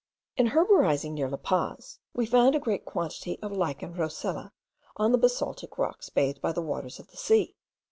In herborizing near La Paz we found a great quantity of Lichen roccella on the basaltic rocks bathed by the waters of the sea.